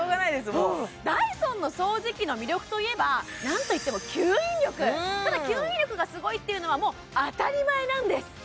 もうダイソンの掃除機の魅力といえばなんといっても吸引力ただ吸引力がすごいっていうのはもう当たり前なんです